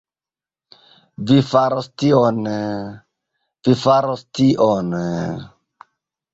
Vi faros tion... vi faros tion...